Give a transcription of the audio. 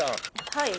はい。